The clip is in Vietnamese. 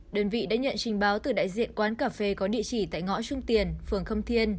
đơn vị đã nhận trình báo từ đại diện quán cà phê có địa chỉ tại ngõ trung tiền phường khâm thiên